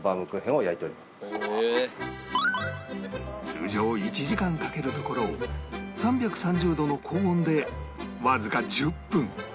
通常１時間かけるところを３３０度の高温でわずか１０分